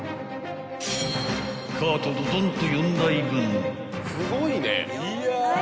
［カートドドンと４台分］